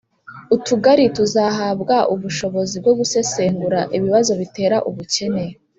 utugari tuzahabwa ubushobozi bwo gusesengura ibibazo bitera ubukene,